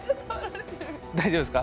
大丈夫ですか？